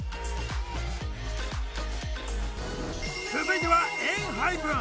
続いてはＥＮＨＹＰＥＮ。